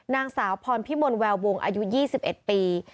นางสาวพรพิมลแวววงอายุ๒๑ปี